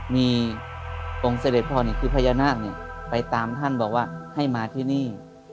มีองค์เสด็จพ่อนี่คือพญานาคไปตามท่านบอกว่าให้มาที่นี่